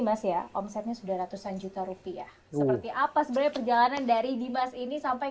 masya omsetnya sudah ratusan juta rupiah seperti apa sebenarnya perjalanan dari di mas ini sampai